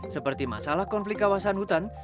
seperti masalah konflik kawasan hutan